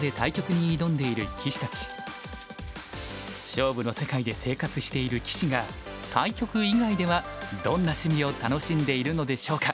勝負の世界で生活している棋士が対局以外ではどんな趣味を楽しんでいるのでしょうか。